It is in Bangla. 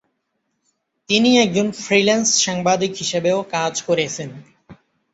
তিনি একজন ফ্রিল্যান্স সাংবাদিক হিসেবেও কাজ করেছেন।